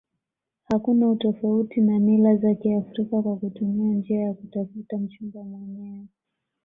Hakuna utofauti na mila za kiafrika kwa kutumia njia ya kutafuta mchumba mwenyewe